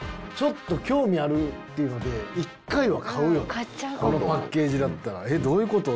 ちょっと興味あるっていうので、一回は買うよね、このパッケージだったら。